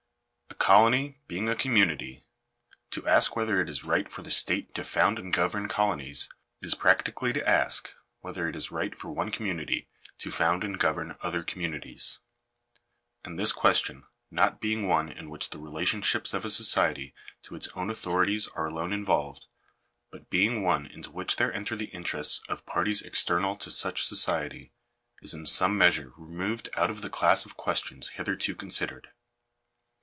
A colony being a community, to ask whether it is right for the state to found and govern colonies, is practically to ask, whether it is right for one community to found and govern other communities. And this question not being one in which the relationships of a society to its own authorities are alone involved, but being one into which there enter the interests of parties external to such society, is in some measure removed out of the class of questions hitherto considered.